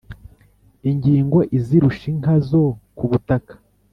ingingo izirusha inka zo ku butaka